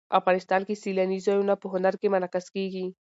افغانستان کې سیلاني ځایونه په هنر کې منعکس کېږي.